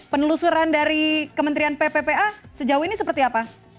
penelusuran dari kementerian pppa sejauh ini seperti apa